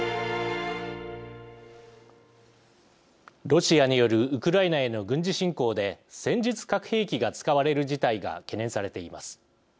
ロシアによるウクライナへの軍事侵攻で戦術核兵器が使われる事態が懸念されています。